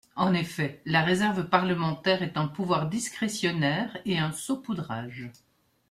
En effet, la réserve parlementaire est un pouvoir discrétionnaire et un saupoudrage.